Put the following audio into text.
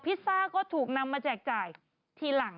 ซ่าก็ถูกนำมาแจกจ่ายทีหลัง